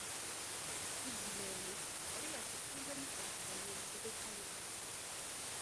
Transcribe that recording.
იგი ლეონის ისტორიაში პირველი პორტუგალიელი დედოფალი იყო.